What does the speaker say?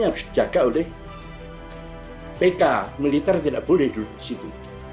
yang harus dijaga oleh pk militer tidak boleh duduk di situ